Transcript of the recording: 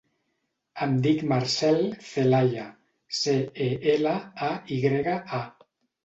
Em dic Marcèl Celaya: ce, e, ela, a, i grega, a.